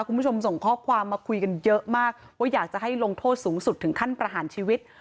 คุณผู้ชมส่งข้อความมาคุยกันเยอะมากว่าอยากจะให้ลงโทษสูงสุดถึงขั้นประหารชีวิต